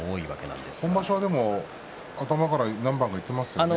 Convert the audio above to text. でも、今場所は頭から何番かいってますね。